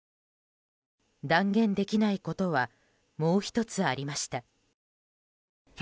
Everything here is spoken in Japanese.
断言できないことはもう１つありました。